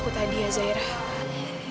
kita berdua sudah lari